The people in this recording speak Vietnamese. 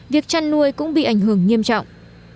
việc chăn nuôi cũng bị ảnh hưởng nghiêm trọng